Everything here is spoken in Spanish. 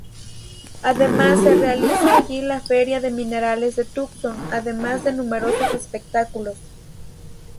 Además se realiza allí la Feria de minerales de Tucson, además de numerosos espectáculos.